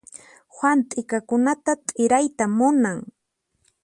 Juan t'ikakunata t'irayta munan.